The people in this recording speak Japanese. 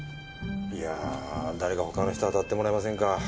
いや誰か他の人あたってもらえませんか？